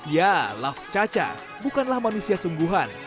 ya laf caca bukanlah manusia sungguhan